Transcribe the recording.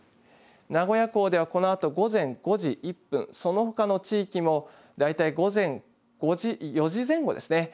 名古屋港ではこのあと午前５時１分そのほかの地域もだいたい午前５時４時前後ですね